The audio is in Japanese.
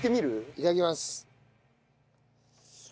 いただきます。